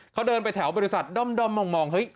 เขาเดินไปแถวบริษัทด้อมมองเฮ้ย